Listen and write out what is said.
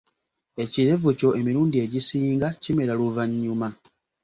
Ekirevu kyo emirundi egisinga kimera luvanyuma.